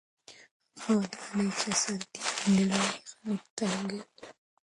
هغه ودانۍ چې اسانتیاوې نلري خلک تنګوي.